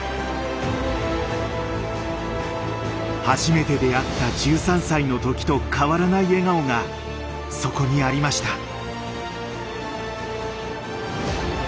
初めて出会った１３歳の時と変わらない笑顔がそこにありました。